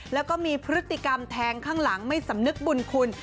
แล้วก็มีพฤติกรรมแทงข้างหลังไม่สำนึกบุญคุณ